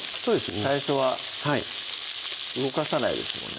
最初は動かさないですもんね